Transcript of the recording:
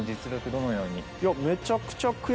どのように？